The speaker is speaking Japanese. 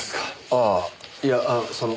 ああいやその。